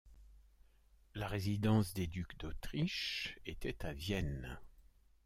La résidence des ducs d'Autriche ètait à Vienne.